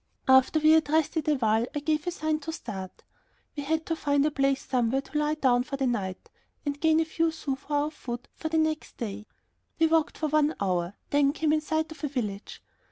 After we had rested a while I gave the sign to start. We had to find a place somewhere to lie down for the night and gain a few sous for our food for the next day. We walked for one hour, then came in sight of a village.